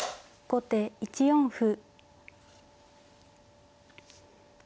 後手６四歩。